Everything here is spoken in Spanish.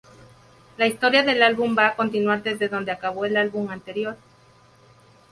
La historia del álbum va a continuar desde donde acabó el álbum anterior.